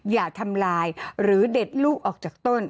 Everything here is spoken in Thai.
อย่าทำลายหรือเด็ดลูกออกจากต้น